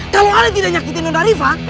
kalau ali tidak nyakitin nona riva